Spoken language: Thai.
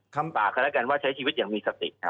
สมราคาแลกันว่าใช้ชีวิตอย่างมีสติ